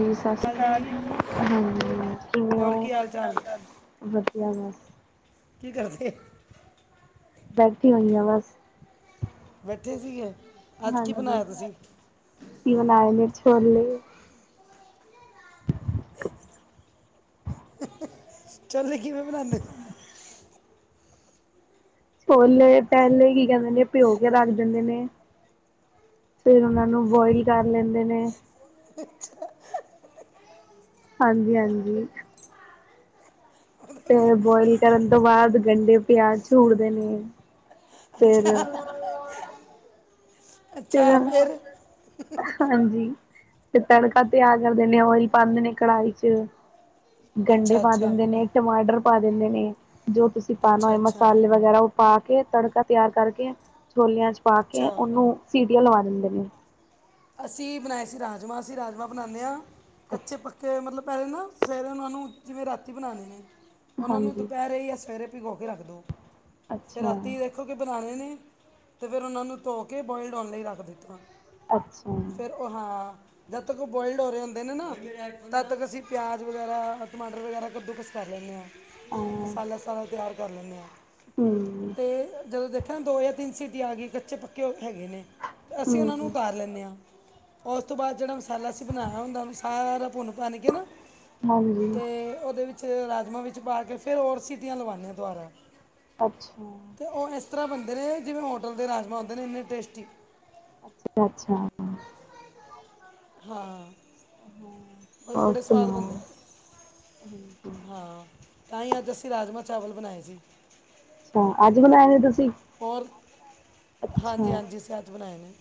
ਜੀ ਸਸ ਸ੍ਰੀ ਕਾਲ ਜੀ, ਹਾਂਜੀ ਕਿਵੇਂ ਹੋਰ ਕੀ ਓ, ਹਾਲ ਚਾਲ ਵਧਿਆ ਬਸ। ਕੀ ਕਰਦੇ ਬੈਠਠੀ ਹੋਈ ਆ ਬਸ ਬੈਠੇ ਸੀਗੇ, ਅੱਜ ਕੀ ਬਣਾਇਆ ਤੁਸੀਂ? ਕੀ ਬਨਾਏ ਨੇ, ਛੋਲੇ ਛੋਲੇ ਕਿਵੇਂ ਬਣਾਂਦੋ ਓ? ਛੋਲੇ ਪਹਿਲੇ ਕੀ ਕਹਿੰਦੇ ਨੇ ਭਿਓ ਕੇ ਰੱਖ ਦੇ ਨੇ ਫਿਰ ਉਹਨਾਂ ਨੂੰ ਬੋਇਲ ਲੈਂਦੇ ਨੇ ਅੱਛਾ। ਹਾਂਜੀ ਹਾਂਜੀ। ਫ ਬੋਇਲ ਕਰਨ ਤੋਂ ਬਾਅਦ ਗੰਡੇ ਪਿਆਜ ਛੂੜਦੇ ਨੇ ਫੇਰ ਫੇਰ ਅੱਛਾ ਉਨੰ, ਫਿਰ ਹਾਂਜੀ। ਤੇ ਤੜਕਾ ਤਿਆਰ ਕਰਦੇ ਨੇ ਓਇਲ ਪਾਂਦੇ ਨੇ ਕੜਾਹੀ ਚ ਗੰਢੇ ਅੱਛਾ ਪਾ ਅੱਛਾ ਦਿੰਦੇ ਨੇ ਟਮਾਟਰ ਪਾ ਦਿੰਦੇ ਨੇ ਜੋ ਤੁਸੀਂ ਪਾਣਾ ਅੱਛਾ ਹੋਏ ਅੱਛਾ ਮਸਾਲੇ ਵਗੈਰਾ ਪਾ ਕੇ ਤੜਕਾ ਤਿਆਰ ਕਰਕੇ ਛੋਲਿਆਂ ਚ ਪਾ ਕੇ ਅੱਛਾ ਉਹਨੂੰ ਸੀਟੀਆਂ ਲਵਾ ਦਿੰਦੇ ਨੇ ਅਸੀਂ ਬਣਾਏ ਸੀ ਰਾਜਮਾ ਅਸੀਂ ਰਾਜਮਾਂ ਬਣਾਦੇ ਆ ਕੱਚੇ ਅੱਛਾ ਪੱਕ ਕਿ ਮਤਲਬ ਪਹਿਲੇ ਨਾ ਸਵੇਰੇ ਉਹਨਾਂ ਨੂੰ ਜਿਵੇਂ ਰਾਤੀ ਬਣਾਣੇ ਨੇ ਉਹਨਾਂ ਨੂੰ ਹਾਂਜੀ ਦੁਪਹਿਰੇ ਜਾਂ ਸਵੇਰੇ ਭੇਓ ਕੇ ਰੱਖ ਦੋ ਫਿਰ ਅੱਛਾ ਰਾਤੀ ਏ ਰਖੋ ਕੇ ਬਣਾਣੇ ਨੇ ਤੇ ਫਿਰ ਉਹਨਾਂ ਨੂੰ ਧੋ ਕੇ ਬੋਇਲਡ ਹੋਣ ਲਈ ਰੱਖ ਦਿੱਤਾ। ਅੱਛਾ। ਫਿਰ ਹਾਂ ਉਹ ਹਾਂ ਜਦ ਤੱਕ ਉਹ ਬੋਇਲਡ ਹੋ ਰਹੇ ਹੁੰਦੇ ਨੇ ਨਾ। ਤਦ ਤੱਕ ਅਸੀਂ ਪਿਆਜ ਵਗੈਰਾ ਟਮਾਟਰ ਵਗੈਰਾ ਕੱਦੂ ਕਸ ਕਰ ਲੈਂਦੇ ਆ। ਮਸਾਲਾ ਸਾਰਾ ਤਿਆਰ ਕਰ ਲੈਣੇ ਆ। ਹੂੰ ਤੇ ਜਦੋਂ ਦੇਖਿਆ ਨਾ ਦੋ ਜਾਂ ਤਿੰਨ ਸਿਟੀ ਆ ਗਈ। ਕੱਚੇ ਪੱਕੇ ਹੈਗੇ ਨੇ। ਤੇ ਅਸੀਂ ਉਹਨਾਂ ਨੂੰ, ਹੂੰ ਉਤਾਰ ਲੈਂਣੇ ਆ ਉਸ ਤੋਂ ਬਾਅਦ, ਜਿਹੜਾ ਮਸਾਲਾ ਅਸੀਂ ਬਣਾਇਆ ਹੁੰਦਾ, ਉਨੂੰ ਸਾਰਾ ਭੁੰਨ- ਭੰਨ ਕੇ ਨਾ ਹਾਂਜੀ ਤੇ ਉਹਦੇ ਵਿੱਚ, ਰਾਜਮਾਂ ਵਿੱਚ ਪਾ ਕੇ ਫਿਰ ਹੋਰ, ਸਿਟੀਆਂ ਲਵਾਨੇ ਆ ਦੁਬਾਰਾ ਅੱਛਾ। ਤੇ ਉਹ ਇਸ ਤਰ੍ਹਾਂ ਬਣਦੇ ਨੇ, ਜਿਵੇਂ ਹੋਟਲ ਦੇ ਰਾਜਮਾ ਹੁੰਂਦੇ ਨੇ, ਇੰਨੇ ਟੇਸਟੀ ਅੱਛਾ। ਹਾਂ ਅ [unintelligible] [inaudible] ਹਾਂ। ਹਾਂ। ਉਹ ਵੀ ਬੜੇ ਸਵਾਦ, ਬਣਦੇ ਆ ਹਾ। ਤਾਂ ਹੀ ਅੱਜ ਅਸੀਂ, ਰਾਜਮਾਹ ਚਾਵਲ ਬਣਾਏ ਸੀ। ਅੱਛਾ, ਅੱਜ ਬਣਾਏ ਨੇ ਤੁਸੀਂ ਹੋਰ, ਅੱਛਾ ਹਾਂਜੀ-ਹਾਂਜੀ ਅਸੀ ਅੱਜ ਬਣਾਏ ਨੇ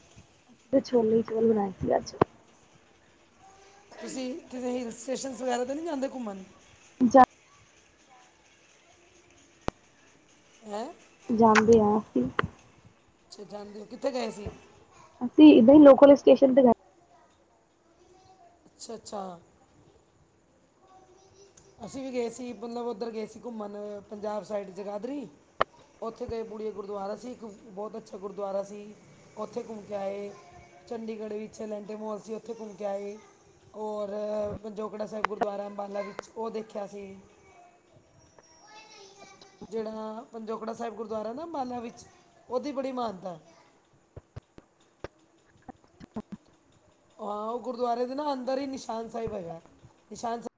ਛੋਲੇ ਚੋਲ ਬਣਾਏ ਸੀ। ਅੱਜ ਤੁਸੀਂ ਕਿਤੇ ਹਿਲ ਸਟੇਸ਼ਨ ਵਗੈਰਾ, ਤਾ ਨੀ ਜਾਂਦੇ ਘੁੰਮਣ ਜਾ ਹੈਂ, ਜਾਂਦੇ ਆ ਅਸੀ ਅੱਛਾ ਜਾਂਦੇ, ਕਿੱਥੇ ਗਏ ਸੀ? ਅਸੀਂ ਏਦਾਂ ਹੀ, ਲੋਕਲ ਸਟੇਸ਼ਨ ਤੇ ਗ ਅੱਛਾ-ਅੱਛਾ ਅਸੀਂ ਵੀ ਗਏ ਸੀ। ਮਤਲਬ ਉੱਧਰ ਗਏ ਸੀ। ਘੁੰਮਣ, ਪੰਜਾਬ ਸਾਈਡ ਜਗਾਧਰੀ ਉੱਥੇ ਗਏ ਬੂੜੀਆ ਗੁਰਦੁਆਰਾ ਸੀ। ਇੱਕ ਬਹੁਤ ਅੱਛਾ ਗੁਰਦੁਆਰਾ ਸੀ। ਉੱਥੇ ਘੁੰਮ ਕੇ ਆਏ ਚੰਡੀਗੜ੍ਹ ਵਿੱਚ ਅੱਲੈਂਟੇਮੋਲ ਸੀ। ਉੱਥੇ ਘੁੰਮ ਕੇ ਆਏ ਔਰ ਪੰਜੋਗੜਾ ਸਾਹਿਬ ਗੁਰਦੁਆਰਾ, ਅੰਬਾਲਾ ਵਿੱਚ ਉਹ ਦੇਖਿਆ ਸੀ ਜਿਹੜਾ ਪੰਜੋਕੜਾ ਸਾਹਿਬ, ਗੁਰਦੁਆਰਾ ਨਾ ਅੰਬਾਲਾ ਵਿੱਚ ਉਹਦੀ, ਬੜੀ ਮਾਨਤਾ ਹਾਂ ਉਹ, ਗੁਰਦੁਆਰੇ ਦੇ ਨਾ ਅੰਦਰ ਹੀ, ਨਿਸ਼ਾਨ ਸਾਹਿਬ ਹੈਗਾ। ਨਿਸ਼ਾਨ ਸਾਹਿਬ